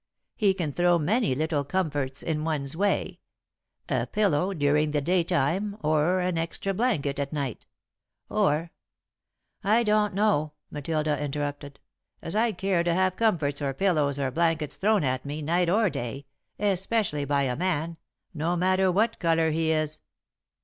"'He can throw many little comforts in one's way a pillow during the daytime or an extra blanket at night, or '" "I don't know," Matilda interrupted, "as I'd care to have comforts or pillows or blankets thrown at me, night or day, especially by a man, no matter what colour he is."